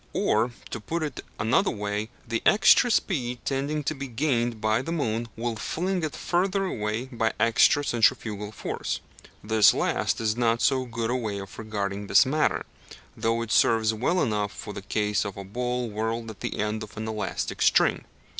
Or, to put it another way, the extra speed tending to be gained by the moon will fling it further away by extra centrifugal force. This last is not so good a way of regarding the matter; though it serves well enough for the case of a ball whirled at the end of an elastic string.